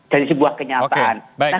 jadi sebuah kenyataan